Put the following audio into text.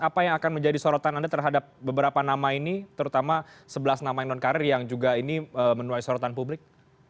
apa yang akan menjadi sorotan anda terhadap beberapa nama ini terutama sebelas nama yang non karir yang juga ini menuai sorotan publik